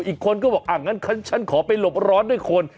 อีกคนก็บอกฉันขอไปหลบร้อนด้วยคน